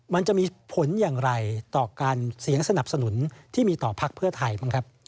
มันจะมีผลอย่างไรต่อการเสียงสนับสนุนที่มีต่อพักเพื่อไทยบ้างครับ